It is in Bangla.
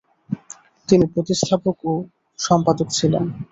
তিনি প্রতিস্থাপক ও সম্পাদক ছিলেন।